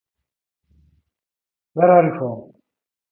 In a memorandum, Sullivan called King "a fraud, demagogue and scoundrel".